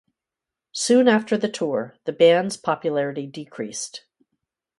Soon after the tour, the band's popularity decreased.